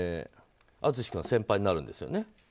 淳君は先輩になるんですよね。